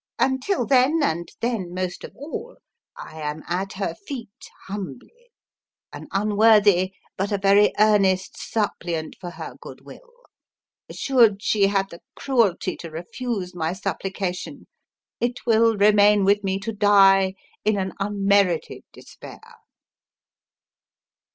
Until then and then most of all I am at her feet humbly: an unworthy, but a very earnest, suppliant for her good will. Should she have the cruelty to refuse my supplication, it will remain with me to die in an unmerited despair!"